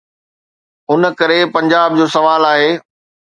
ان ڪري پنجاب جو سوال آهي.